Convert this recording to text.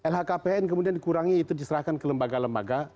lhkpn kemudian dikurangi itu diserahkan ke lembaga lembaga